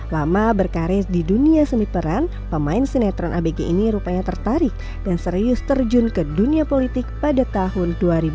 lama berkarir di dunia seni peran pemain sinetron abg ini rupanya tertarik dan serius terjun ke dunia politik pada tahun dua ribu empat